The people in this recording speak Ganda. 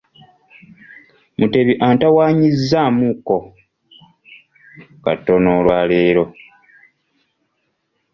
Mutebi antawaanyizzaamukko katono olwaleero.